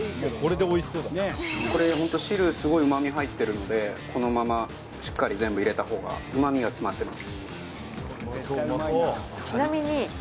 これホント汁すごい旨味入ってるのでこのまましっかり全部入れた方が旨味が詰まってます